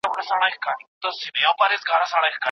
شا او مخي ته یې ووهل زورونه